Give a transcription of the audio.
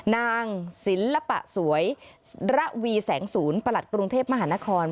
นางศิลปะสวยระวีแสงศูนย์ประหลัดกรุงเทพมหานคร